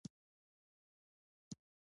لومړی جېمز او چارلېز خپله پاچاهي غښتلي کړي.